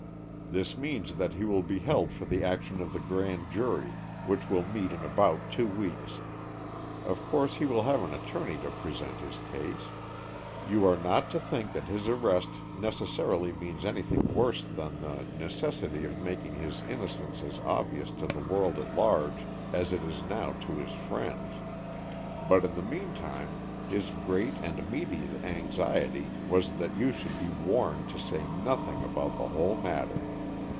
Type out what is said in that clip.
"This means that he will be held for the action of the Grand Jury, which will meet in about two weeks. Of course he will have an attorney to present his case. You are not to think that his arrest necessarily means anything worse than the necessity of making his innocence as obvious to the world at large as it is now to his friends. But in the meantime his great and immediate anxiety was that you should be warned to say nothing about the whole matter.